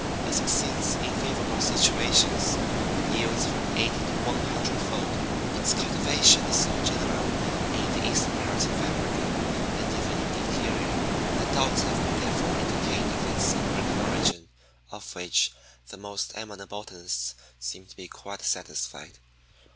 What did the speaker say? It succeeds in favorable situations and yields from eighty to one hundred fold. Its cultivation is so general in the eastern parts of Africa, and even in the interior, that doubts have been therefore entertained of its American origin, of which, the most eminent botanists seem to be quite satisfied.